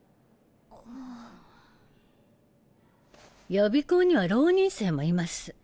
予備校には浪人生もいます。